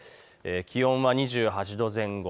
気温は２８度前後。